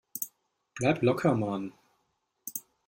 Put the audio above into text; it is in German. Bleib locker, Mann!